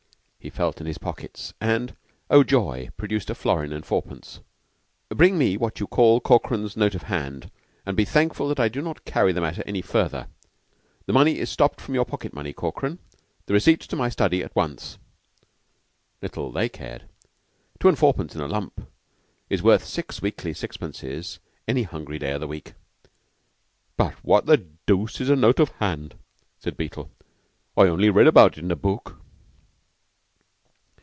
He felt in his pockets, and (oh joy!) produced a florin and fourpence. "Bring me what you call Corkran's note of hand, and be thankful that I do not carry the matter any further. The money is stopped from your pocket money, Corkran. The receipt to my study, at once!" Little they cared! Two and fourpence in a lump is worth six weekly sixpences any hungry day of the week. "But what the dooce is a note of hand?" said Beetle. "I only read about it in a book."